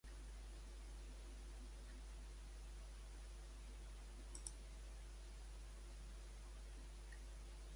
Els veïns van assabentar que elles es colaven a l'hort?